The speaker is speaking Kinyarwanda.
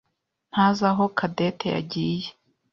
ntazi aho Cadette yagiye.